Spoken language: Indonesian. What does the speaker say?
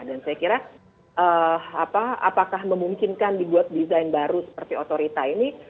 dan saya kira apakah memungkinkan dibuat desain baru seperti otorita ini